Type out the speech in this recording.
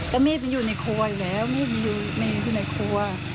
แล้วมีดมันอยู่ในครัวอยู่แล้วมีดมันอยู่ในครัว